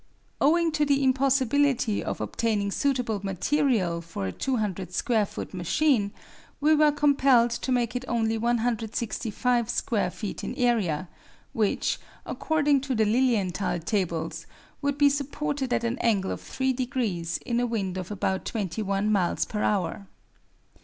Owing to the impossibility of obtaining suitable material for a 200 square foot machine, we were compelled to make it only 165 square feet in area, which, according to the Lilienthal tables, would be supported at an angle of three degrees in a wind of about 21 miles per hour.